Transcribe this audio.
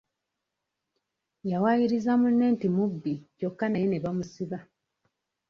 Yawaayiriza munne nti mubbi kyokka naye ne bamusiba.